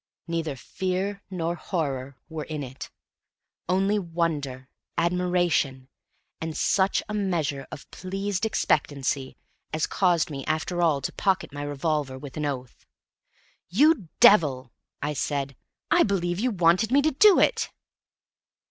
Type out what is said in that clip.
Neither fear nor horror were in it; only wonder, admiration, and such a measure of pleased expectancy as caused me after all to pocket my revolver with an oath. "You devil!" I said. "I believe you wanted me to do it!"